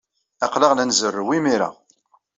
Aql-aɣ la nzerrew imir-a.